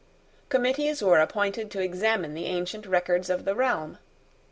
Committees were appointed to examine the ancient records of the realm.